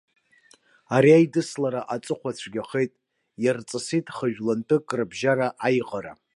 Ари аидыслара аҵыхәа цәгьахеит, иарҵысит хы-жәлантәык рыбжьара аиӷара.